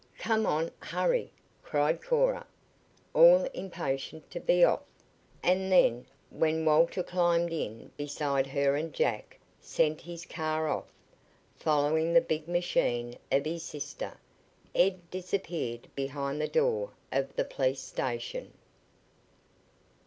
"Come on hurry!" cried Cora, all impatient to be off, and then, when Walter climbed in beside her and Jack sent his car off, following the big machine of his sister, Ed disappeared behind the door of the police station.